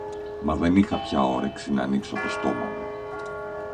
Μα δεν είχα πια όρεξη ν' ανοίξω το στόμα μου